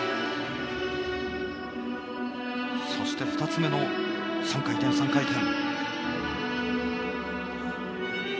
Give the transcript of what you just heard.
そして２つ目の３回転３回転。